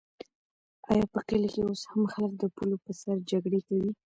آیا په کلي کې اوس هم خلک د پولو په سر جګړې کوي؟